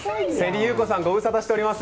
芹ゆう子さん、ご無沙汰しております。